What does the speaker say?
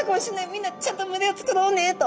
みんなちゃんと群れをつくろうねと。